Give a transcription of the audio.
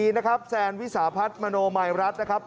นะครับแซนวิสาพัฒน์มโนมัยรัฐนะครับ